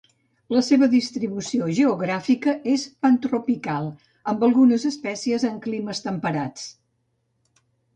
La seva distribució geogràfica és pantropical, amb algunes espècies en climes temperats.